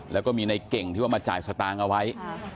แล้วก็มีในเก่งที่ว่ามาจ่ายสตางค์เอาไว้